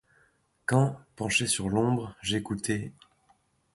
Quand, -penché sur l’ombre, j’écouté